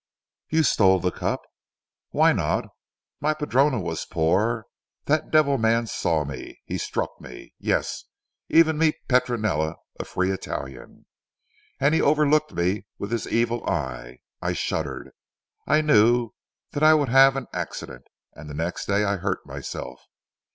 "You stole the cup?" "Why not. My padrona was poor. That devil man saw me, he struck me yes, even me Petronella a free Italian. And he over looked me with his evil eye. I shuddered. I knew that I would have an accident. And the next day I hurt myself.